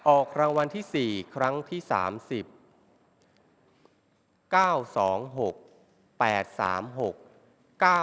ออกรางวัลที่สี่ครั้งที่ยี่สิบห้า